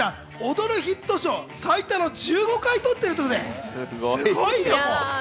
「踊る！ヒット賞」最多の１５回取ってるってことで、すごいよ。